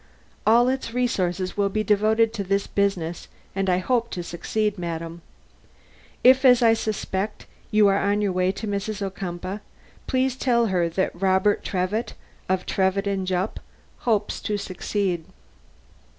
All its resources will be devoted to this business and I hope to succeed, madam. If, as I suspect, you are on your way to Mrs. Ocumpaugh, please tell her that Robert Trevitt, of Trevitt and Jupp, hopes to succeed."